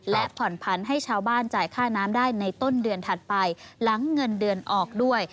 และผ่อนผันให้ชาวบ้านจ่ายค่าน้ำได้ในต้นเดือนถัดไปหลังเงินเดือนออกด้วย